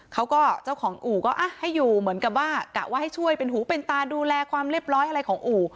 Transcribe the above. เจ้าของอู่ก็ให้อยู่เหมือนกับว่ากะว่าให้ช่วยเป็นหูเป็นตาดูแลความเรียบร้อยอะไรของอู่